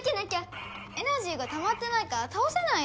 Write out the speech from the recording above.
エナジーがたまってないからたおせないよ！